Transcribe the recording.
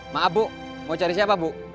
maaf bu mau cari siapa bu